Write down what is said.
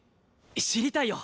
知りたいよ